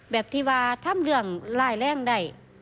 แบบที่ว่าทำเรื่องร้ายแรงได้